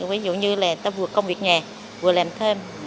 ví dụ như là ta vừa công việc nhà vừa làm thêm